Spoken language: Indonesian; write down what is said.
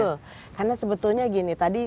betul karena sebetulnya gini tadi